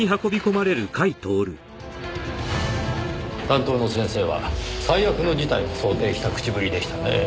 担当の先生は最悪の事態を想定した口ぶりでしたねぇ。